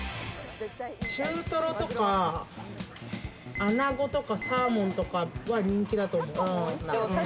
中トロとか、アナゴとかサーモンとかは人気だと思う。